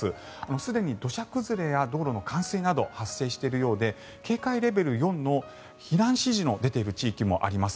すでに土砂崩れや道路の冠水などが発生しているようで警戒レベル４の避難指示が出ている地域もあります。